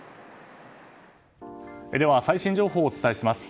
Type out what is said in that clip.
では、最新情報をお伝えします。